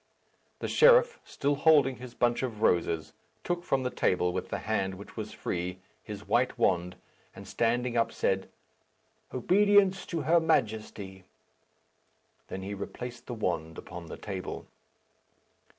The sheriff, still holding his bunch of roses, took from the table with the hand which was free his white wand, and standing up said, "Obedience to her Majesty." Then he replaced the wand upon the table.